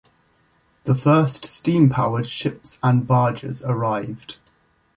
The first steam-powered ships and barges arrived.